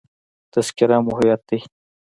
تذکره مو هویت دی.